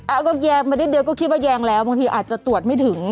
ก็แยงมานิดเดียวก็คิดว่าแยงแล้วบางทีอาจจะตรวจไม่ถึง